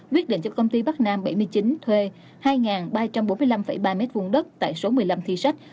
quyết định cho công ty bắc nam bảy mươi chín thuê hai ba trăm bốn mươi năm ba m hai đất tại số một mươi năm thi sách